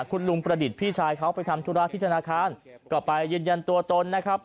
คุณลุงประดิษฐ์พี่ชายเขาไปทำธุระที่ธนาคารก็ไปยืนยันตัวตนนะครับ